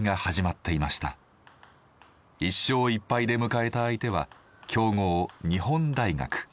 １勝１敗で迎えた相手は強豪日本大学。